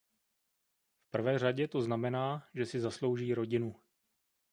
V prvé řadě to znamená, že si zaslouží rodinu.